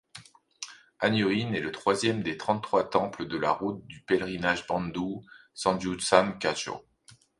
An’yō-in est le troisième des trente-trois temples de la route du pèlerinage Bandō Sanjūsankasho.